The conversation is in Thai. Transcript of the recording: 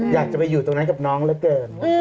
อยากจะไปอยู่ตรงนั้นกับน้องเหลือเกิน